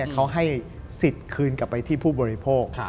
เขาให้สิทธิ์คืนกลับไปที่ผู้บริโภค